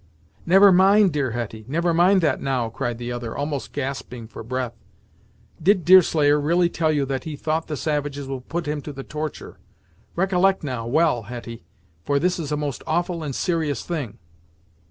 "Never mind, dear Hetty, never mind that, now," cried the other, almost gasping for breath. "Did Deerslayer really tell you that he thought the savages would put him to the torture? Recollect now, well, Hetty, for this is a most awful and serious thing."